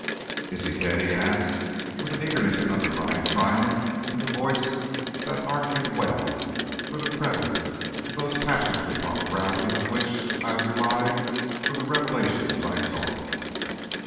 "Is he dead?" he asked, with an eagerness and underlying triumph in the voice that argued well for the presence of those passions upon the rousing of which I relied for the revelations I sought.